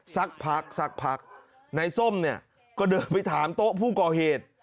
สักพักในส้มก็เดินไปถามโต๊ะผู้ก่อเหตุ